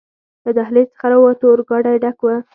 له دهلېز څخه راووتو، اورګاډی ډک و.